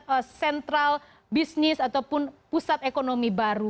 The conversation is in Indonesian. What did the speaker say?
untuk sentral bisnis ataupun pusat ekonomi baru